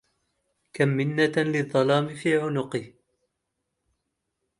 كم منة للظلام في عنقي